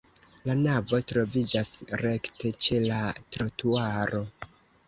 La navo troviĝas rekte ĉe la trotuaro.